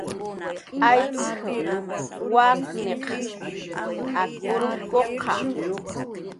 Ayk waqnis ak urkuqa